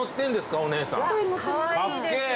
かっけぇ！